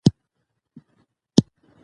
آیا قبر یې اوس هم شته؟